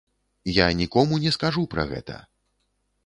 Я нікому не скажу пра гэта.